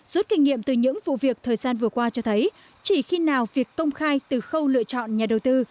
rút kinh nghiệm từ những vụ việc thời gian vừa qua cho thấy chỉ khi nào việc công khai từ khâu lựa chọn nhà đầu tư